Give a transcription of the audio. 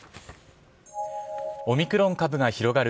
オミクロン株が広がる